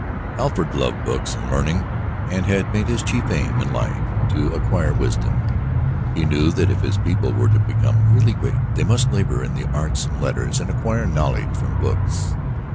Alfred loved books and learning, and had made his chief aim in life to acquire wisdom. He knew that if his people were to become really great they must labor in the arts and letters and acquire knowledge from books.